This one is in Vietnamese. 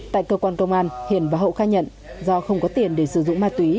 tại cơ quan công an hiển và hậu khai nhận do không có tiền để sử dụng mạ tí